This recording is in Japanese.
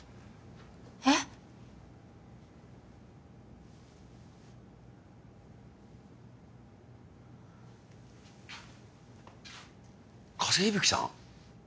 えっ加瀬息吹さん？